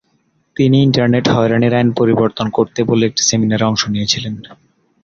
তিনি ইন্টারনেট হয়রানির আইন পরিবর্তন করতে বলে একটি সেমিনারে অংশ নিয়েছিলেন।